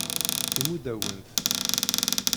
Imudd-awen-t.